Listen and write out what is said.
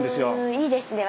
いいですね。